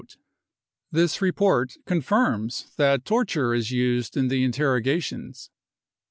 This report confirms that torture is used in the interroga tions.